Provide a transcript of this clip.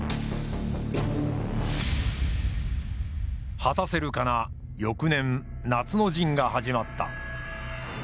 果たせるかな翌年夏の陣が始まった。